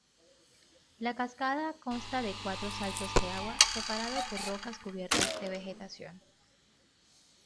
La cascada consta de cuatro saltos de agua separados por rocas cubiertas de vegetación.